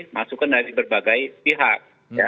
masukkan dari berbagai pihak